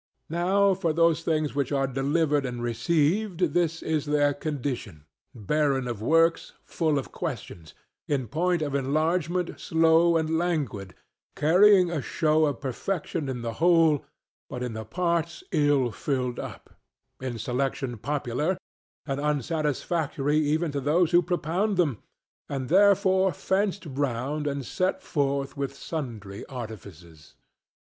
Now for those things which are delivered and received, this is their condition: barren of works, full of questions; in point of enlargement slow and languid; carrying a show of perfection in the whole, but in the parts ill filled up; in selection popular, and unsatisfactory even to those who propound them; and therefore fenced round and set forth with sundry artifices.